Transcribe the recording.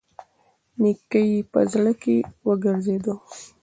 نيکه يې په زړه کې وګرځېد.